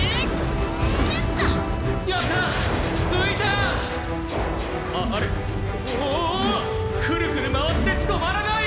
うわクルクル回って止まらない！